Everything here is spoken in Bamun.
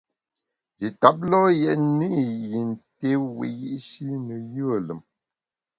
Nji tap lo’ yètne i yin té wiyi’shi ne yùe lùm.